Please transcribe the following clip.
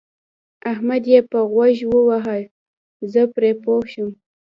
احمد يې په غوږ وواهه زه پرې پوه شوم.